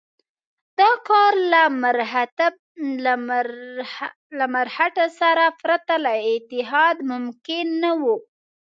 دا کار له مرهټه سره پرته له اتحاد ممکن نه وو.